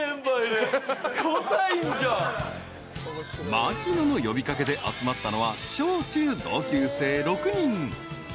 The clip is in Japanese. ［槙野の呼び掛けで集まったのは小中同級生６人］